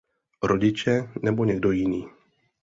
Rodiče, nebo někdo jiný?